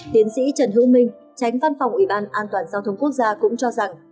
tiến sĩ trần hữu minh tránh văn phòng ủy ban an toàn giao thông quốc gia cũng cho rằng